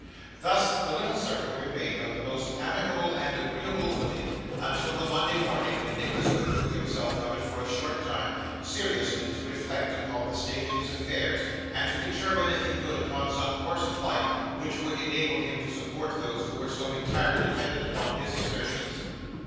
Thus, the little circle remained, on the most amicable and agreeable footing, until the Monday morning, when Nicholas withdrew himself from it for a short time, seriously to reflect upon the state of his affairs, and to determine, if he could, upon some course of life, which would enable him to support those who were so entirely dependent upon his exertions.